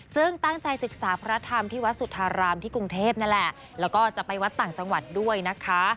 ซึ่งตั้งใจศึกษาพระธรรมที่วัดสุธารามที่กรุงเทพนั่นแหละแล้วก็จะไปวัดต่างจังหวัดด้วยนะคะ